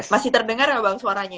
masih terdengar ya bang suaranya